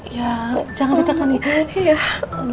ya jangan ditekan ibu